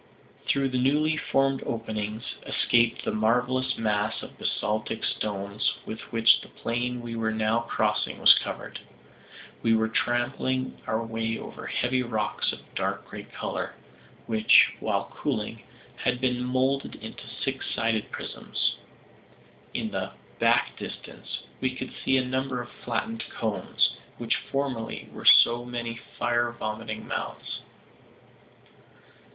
Through the newly formed openings, escaped the marvelous mass of basaltic stones with which the plain we were now crossing was covered. We were trampling our way over heavy rocks of dark grey color, which, while cooling, had been moulded into six sided prisms. In the "back distance" we could see a number of flattened cones, which formerly were so many fire vomiting mouths.